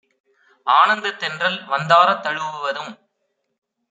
ஆனந்தத் தென்றல்வந் தாரத் தழுவுவதும்